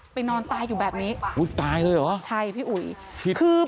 นอนตายอยู่แบบนี้อุ้ยตายเลยเหรอใช่พี่อุ๋ยคือ